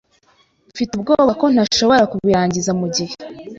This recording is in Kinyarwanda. Mfite ubwoba ko ntashobora kubirangiza mugihe.